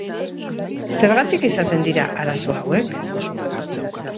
Zergatik izaten dira arazo hauek?